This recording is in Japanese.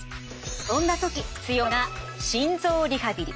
そんな時必要なのが心臓リハビリ。